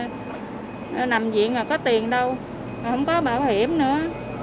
không có bảo hiểm nữa